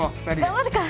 頑張るか！